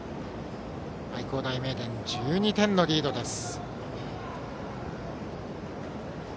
愛工大名電、１２点リードです。